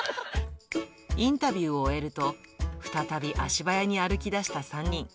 インタビューを終えると、再び足早に歩きだした３人。